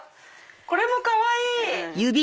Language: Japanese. これもかわいい！